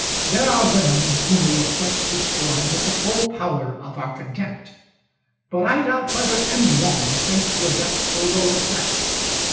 There are women whom we affect to scorn with the full power of our contempt; but I doubt whether any woman sinks to a depth so low as that.